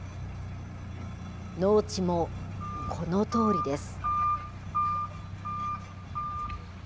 農地もこのとおりです。